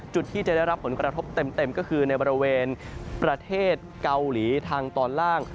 จุดที่จะได้รับผลกระทบเต็มก็คือในบริเวณประเทศเกาหลีทางตอนล่าง